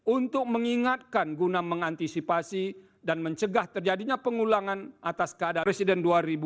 untuk mengingatkan guna mengantisipasi dan mencegah terjadinya pengulangan atas keadaan residen dua ribu dua puluh